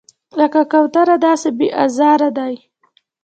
لکه کوتره داسې بې آزاره دی.